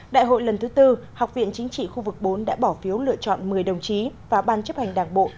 đại hội lần thứ tư học viện chính trị khu vực bốn đã bỏ phiếu lựa chọn một mươi đồng chí và ban chấp hành đảng bộ